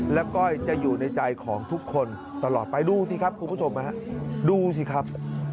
และก้อยจะอยู่ในใจของทุกคนตลอดไปดูสิครับคุณผู้ชมดูสิครับ